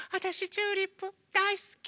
チューリップだいすき。